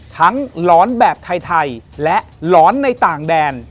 หลอนแบบไทยและหลอนในต่างแดน